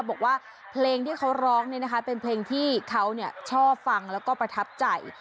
บอกว่าเพลงที่เขาร้องเป็นเพลงที่เขาชอบฟังแล้วก็ประทับใจ